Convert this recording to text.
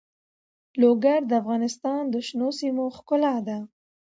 لوگر د افغانستان د شنو سیمو ښکلا ده.